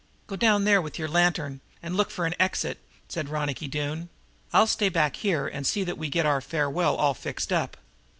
"Go down there with your lantern and look for the exit," said Ronicky Doone. "I'll stay back here and see that we get our farewell all fixed up."